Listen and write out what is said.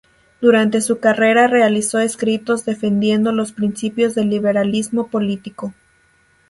Durante su carrera realizó escritos defendiendo los principios del liberalismo político.